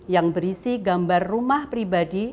yang berisi gambar rumah pribadi